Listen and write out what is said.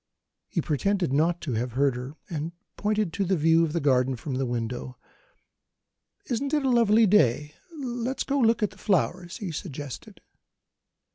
He pretended not to have heard her, and pointed to the view of the garden from the window. "Isn't it a lovely day? Let's go and look at the flowers," he suggested.